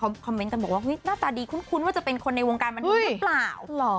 คอมเมนต์กันบอกว่าหน้าตาดีคุ้นว่าจะเป็นคนในวงการบันเทิงหรือเปล่า